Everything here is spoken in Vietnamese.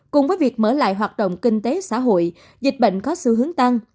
cùng với việc mở lại hoạt động kinh tế xã hội dịch bệnh có xu hướng tăng